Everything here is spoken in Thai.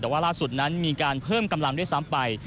แต่ว่าล่าสุดนั้นมีการเพิ่มกำลังด้วยซ้ำไป